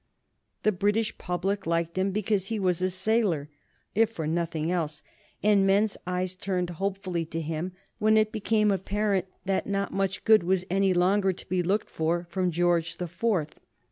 The British public liked him because he was a sailor, if for nothing else, and men's eyes turned hopefully to him when it became apparent that not much good was any longer to be looked for from George the Fourth.